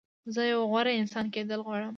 زه یو غوره انسان کېدل غواړم.